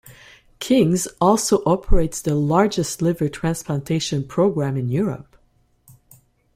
King's also operates the largest liver transplantion programme in Europe.